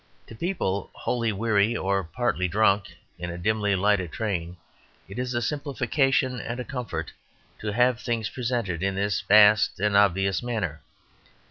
To people wholly weary or partly drunk in a dimly lighted train, it is a simplification and a comfort to have things presented in this vast and obvious manner.